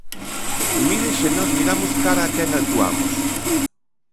¡Mire se nós miramos cara a quen actuamos!